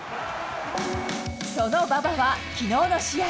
その馬場は、きのうの試合。